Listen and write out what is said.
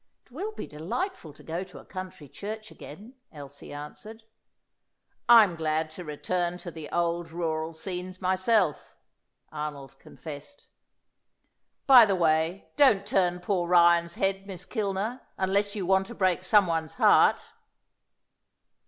"It will be delightful to go to a country church again," Elsie answered. "I'm glad to return to the old rural scenes myself," Arnold confessed. "By the way, don't turn poor Ryan's head, Miss Kilner, unless you want to break some one's heart."